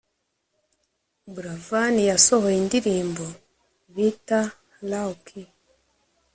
buravani yasohoye indirimbo bita low key